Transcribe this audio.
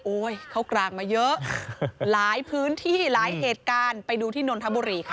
เขากลางมาเยอะหลายพื้นที่หลายเหตุการณ์ไปดูที่นนทบุรีค่ะ